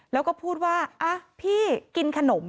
แล้วก็พูดว่าพี่กินขนม